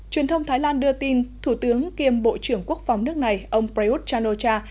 truyền thông thái lan đưa tin thủ tướng kiêm bộ trưởng quốc phòng nước này ông prayuth chan o cha